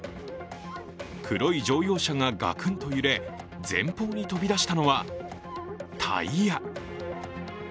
黒い乗用車がガクンと揺れ前方に飛び出したのはタイヤ。